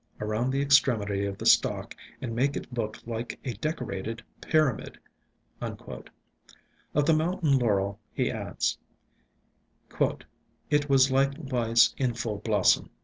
. around the extremity of the stalk, and make it look like a decorated pyramid." Of the Mountain Laurel he adds, "It was likewise in full blossom.